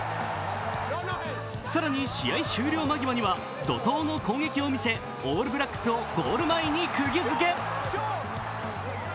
更に試合終了間際には怒とうの攻撃を見せオールブラックスをゴール前にくぎ付け。